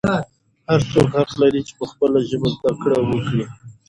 هر څوک حق لري چې په خپله ژبه زده کړه وکړي.